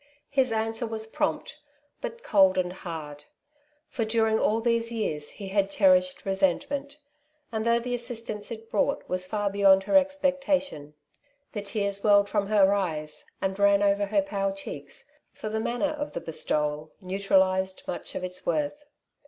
His answer was prompt, but cold and hard; for during all these \ The Home of Wealth, 2 1 years lie had cherished resentment ; and though the assistance it brought was far beyond her expecta tion, the tears welled from her eyes and ran over her pale cheeks, for the manner of the bestowal neutralized much of its worth.